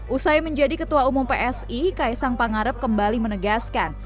usai menjadi ketua umum psi kaisang pangarep kembali menegaskan